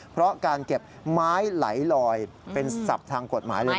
เพราะการเก็บไม้ไหลลอยเป็นศัพท์ทางกฎหมายเลยนะ